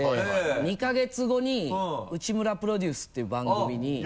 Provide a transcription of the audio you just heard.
２か月後に「内村プロデュース」ていう番組に出て。